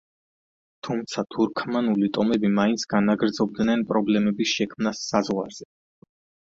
თუმცა, თურქმანული ტომები მაინც განაგრძობდნენ პრობლემების შექმნას საზღვარზე.